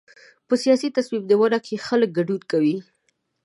په سیاسي تصمیم نیولو کې خلک ګډون کوي.